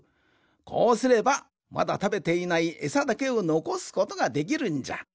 こうすればまだたべていないえさだけをのこすことができるんじゃ。